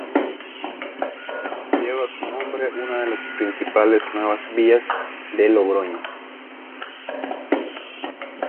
Lleva su nombre una de las principales nuevas vías de Logroño.